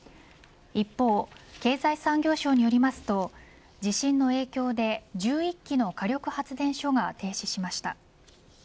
一方、経済産業省によりますと地震の影響で１１基の火力発電所が停止しました。